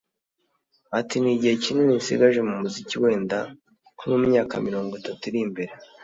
Ati “Nta gihe kinini nsigaje mu muziki wenda nko mu myaka mirongo itatu iri imbere